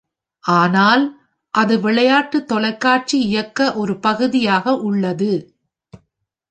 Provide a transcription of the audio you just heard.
ஆனால், அது விளையாட்டு தொலைக்காட்சி இயக்க ஒரு பகுதியாக உள்ளது.